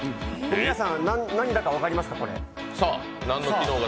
皆さん、何だか分かりますか？